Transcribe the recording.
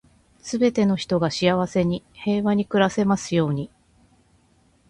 全ての人が幸せに、平和に暮らせますように。